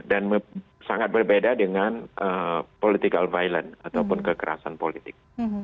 dan sangat berbeda dengan political violence ataupun kekerasan politik